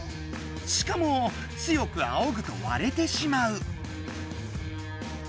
しかも強くあおぐとわれてしまう。